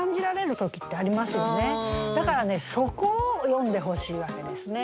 だからそこを詠んでほしいわけですね。